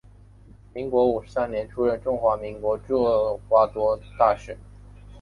民国五十三年出任中华民国驻厄瓜多尔大使。